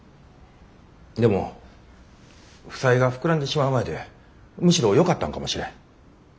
でも負債が膨らんでしまう前でむしろよかったんかもしれん。